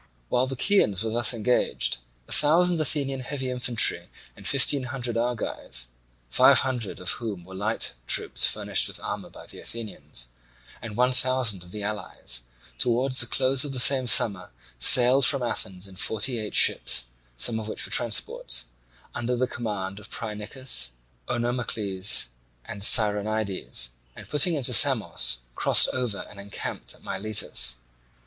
While the Chians were thus engaged, a thousand Athenian heavy infantry and fifteen hundred Argives (five hundred of whom were light troops furnished with armour by the Athenians), and one thousand of the allies, towards the close of the same summer sailed from Athens in forty eight ships, some of which were transports, under the command of Phrynichus, Onomacles, and Scironides, and putting into Samos crossed over and encamped at Miletus.